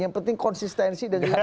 yang penting konsistensi dan kualitas